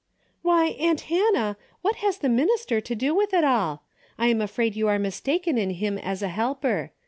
" Why, aunt Hannah, what has the minister to do with it all ? I am afraid you are mis taken in him as a helper.